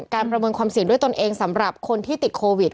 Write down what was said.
ประเมินความเสี่ยงด้วยตนเองสำหรับคนที่ติดโควิด